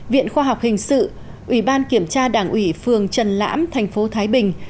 viện khoa học hình sự ủy ban kiểm tra đảng ủy phường trần lãm thành phố thái bình